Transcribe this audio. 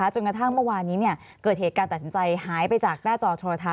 จนกระทั่งเมื่อวานนี้เกิดเหตุการณ์ตัดสินใจหายไปจากหน้าจอโทรทัศ